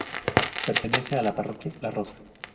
Pertenece a la parroquia La Rosa.